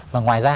và ngoài ra